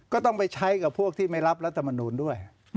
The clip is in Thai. ก็ต้องไปใช้กับพวกที่ไม่รับรัฐมนูลด้วย